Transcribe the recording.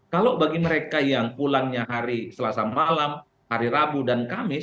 kalau bagi mereka yang pulangnya hari selasa malam hari rabu dan kamis